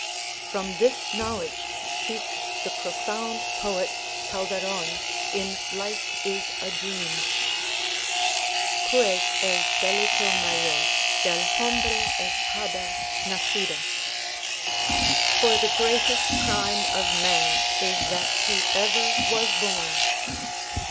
From this knowledge speaks the profound poet Calderon in "Life a Dream"— "Pues el delito mayor Del hombre es haber nacido." ("For the greatest crime of man Is that he ever was born.")